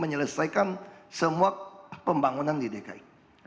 menyelesaikan semua pembangunan di dki